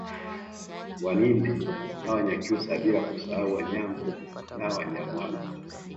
Wanindi na Wanyakyusa bila kusahau Wanyambo na Wanyamwanga